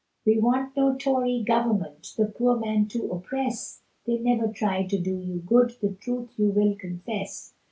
We want no Tory government, The poor man to oppress, They never try to do you good, The truth you will confess.